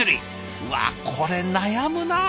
うわこれ悩むな。